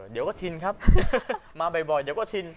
เดี๋ยวก็ชินครับมาบ่อยเดี๋ยวก็ชิน